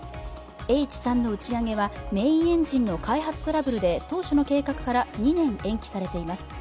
Ｈ３の打ち上げはメインエンジンの開発トラブルで当初の計画から２年延期されています。